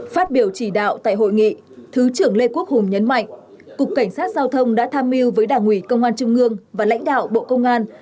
phát biểu chỉ đạo tại hội nghị thứ trưởng lê quốc hùng nhấn mạnh cục cảnh sát giao thông đã tham mưu với đảng ủy công an trung ương và lãnh đạo bộ công an